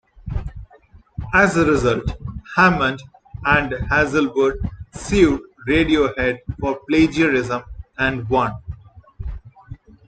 As a result, Hammond and Hazlewood sued Radiohead for plagiarism and won.